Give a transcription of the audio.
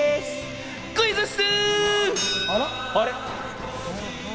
クイズッス！